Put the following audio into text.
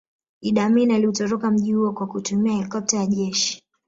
Idi Amin aliutoroka mji huo kwa kutumia helikopta ya jeshi